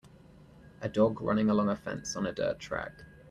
A dog running along a fence on a dirt track.